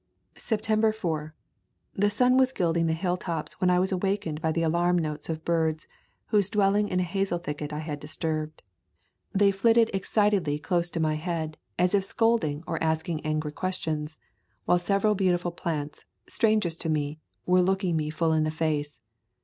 September 4. The sun was gilding the hill tops when I was awakened by the alarm notes of birds whose dwelling in a hazel thicket I had A Thousand Mile Walk disturbed. They flitted excitedly close to my head, as if scolding or asking angry questions, while several beautiful plants, strangers to me, were looking me full in the face.